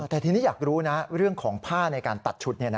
แต่ทีนี้อยากรู้นะเรื่องของผ้าในการตัดชุด